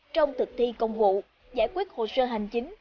trong thực thi công vụ giải quyết hồ sơ hành chính